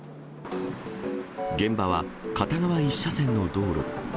現場は、片側１車線の道路。